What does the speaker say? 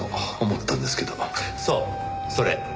そうそれ。